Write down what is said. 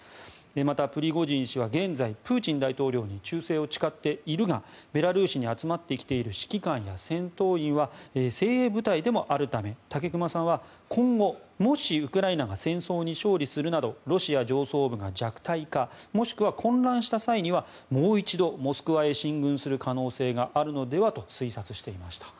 また、プリゴジン氏は現在プーチン大統領に忠誠を誓っているがベラルーシに集まってきている指揮官や戦闘員は精鋭部隊でもあるため武隈さんは今後、もしウクライナが戦争に勝利するなどロシア上層部が弱体化もしくは混乱した際にはもう一度、モスクワへ進軍する可能性があるのではと推察していました。